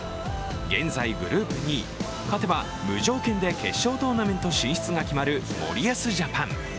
現在グループ２位、勝てば無条件で決勝トーナメント進出が決まる森保ジャパン。